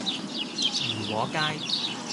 怡和街